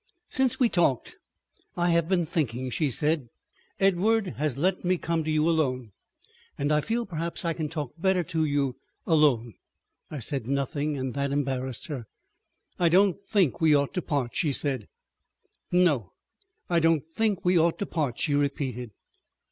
"Since we talked I have been thinking," she said. "Edward has let me come to you alone. And I feel perhaps I can talk better to you alone." I said nothing and that embarrassed her. "I don't think we ought to part," she said. "No—I don't think we ought to part," she repeated.